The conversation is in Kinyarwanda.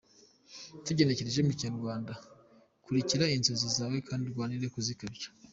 Tugenekereje mu Kinyarwanda, “kurikira inzozi zawe, kandi urwanire kuzikabya.